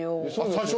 最初？